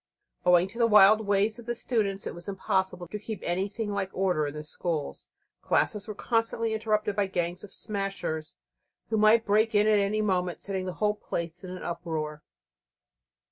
Owing to the wild ways of the students it was impossible to keep anything like order in the schools. Classes were constantly interrupted by gangs of "smashers," who might break in at any moment, setting the whole place in an uproar.